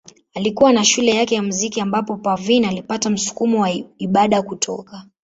Alikuwa na shule yake ya muziki ambapo Parveen alipata msukumo wa ibada kutoka.